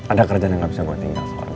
ada kerajaan yang gak bisa gue tinggal soalnya